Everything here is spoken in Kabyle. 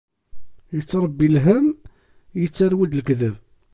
Ittṛebbi lhemm, ittarew-d lekdeb.